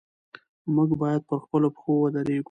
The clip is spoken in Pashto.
موږ باید پر خپلو پښو ودرېږو.